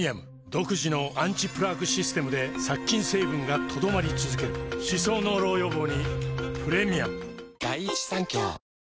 独自のアンチプラークシステムで殺菌成分が留まり続ける歯槽膿漏予防にプレミアム